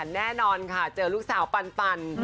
แน่นอนค่ะเจอลูกสาวปัน